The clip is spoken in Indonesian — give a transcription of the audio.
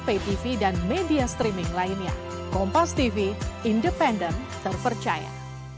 ptv dan media streaming lainnya kompos tv independen terpercaya